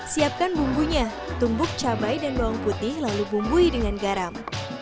siapkan bumbunya tumbuk cabai dan bawang putih lalu bumbui dengan garam